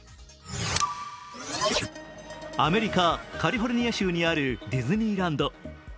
アメリカ・カリフォルニア州にあるディズニーランド。